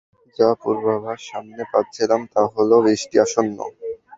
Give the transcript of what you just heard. যা পূর্বাভাস সমানে পাচ্ছিলাম তা হল বৃষ্টি আসন্ন।